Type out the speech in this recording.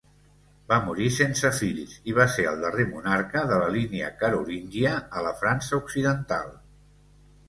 Va morir sense fills i va ser el darrer monarca de la línia carolíngia a la França Occidental.